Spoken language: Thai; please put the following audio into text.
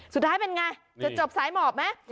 สุดท้ายเป็นไงจุดจบสายหมอบไหม